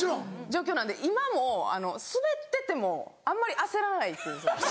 状況なんで今もスベっててもあんまり焦らないっていう。